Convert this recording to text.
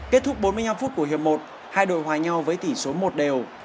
kết thúc bốn mươi năm phút của hiệp một hai đội hòa nhau với tỷ số một đều